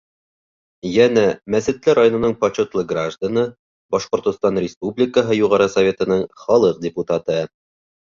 Йәнә Мәсетле районының почетлы гражданы, Башҡортостан Республикаһы Юғары Советының халыҡ депутаты.